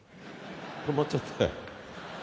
止まっちゃったよ。